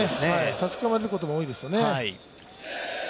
差し込まれることが多いですよね。